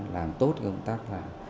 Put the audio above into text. làm tốt công tác